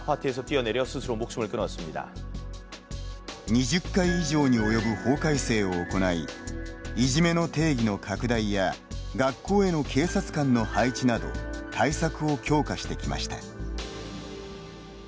２０回以上に及ぶ法改正を行いいじめの定義の拡大や学校への警察官の配置など対策を強化してきました。